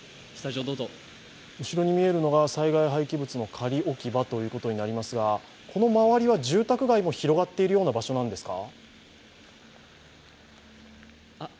後ろに見えるのが災害廃棄物の仮置き場ということになりますが、この周りは住宅街も広がっているような場所なんですか？